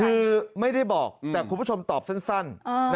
คือไม่ได้บอกแต่คุณผู้ชมตอบสั้น